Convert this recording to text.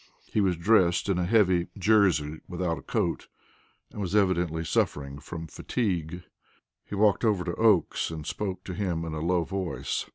He was dressed in a heavy jersey without a coat, and was evidently suffering from fatigue. He walked over to Oakes and spoke to him in a low voice.